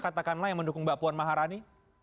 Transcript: katakanlah yang mendukung mbak puan maharani